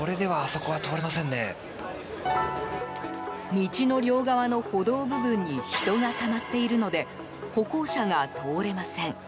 道の両側の歩道部分に人がたまっているので歩行者が通れません。